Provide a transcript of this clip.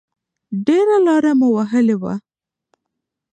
ډېره لاره مو وهلې وه.